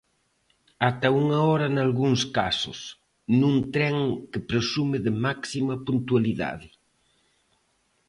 Ata unha hora nalgúns casos, nun tren que presume de máxima puntualidade.